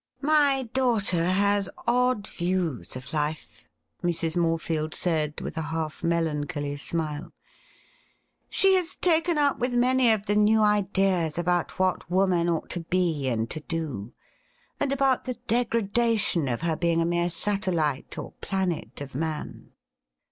'My daughter has odd views of life,' Mrs. Morefield 30 THE RIDDLE RING said, with a half melancholy smile. 'She has taken up with many of the new ideas about what woman ought to be and to do, and about the degradation of her being a mere satellite or planet of man.'